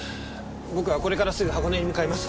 僕はこれからすぐ箱根に向かいます。